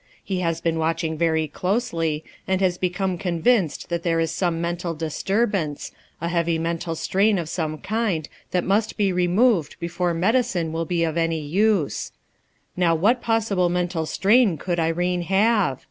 He has been watching very closely and has become convinced that there is some mental disturbance f a heavy mental strain of some kind that must bo removed before medicine will be of any use* Now what possible mental strain could Irene have